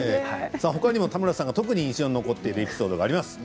ほかにも田村さんが特に印象に残っていることがあります。